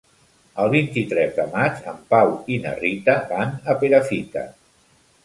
El vint-i-tres de maig en Pau i na Rita van a Perafita.